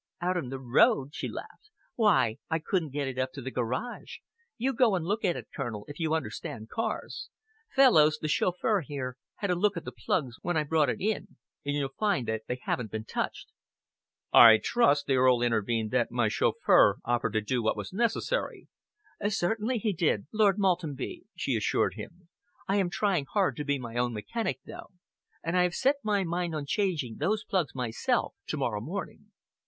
"Out on the road!" she laughed. "Why, I couldn't get it up to the garage! You go and look at it, Colonel, if you understand cars. Fellowes, the chauffeur here, had a look at the plugs when I brought it in, and you'll find that they haven't been touched." "I trust," the Earl intervened, "that my chauffeur offered to do what was necessary?" "Certainly he did, Lord Maltenby," she assured him. "I am trying hard to be my own mechanic, though, and I have set my mind on changing those plugs myself to morrow morning."